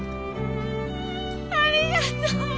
ありがとう！